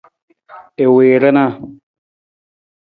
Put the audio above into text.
I wii rana.